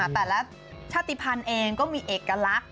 แต่ละชาติภัณฑ์เองก็มีเอกลักษณ์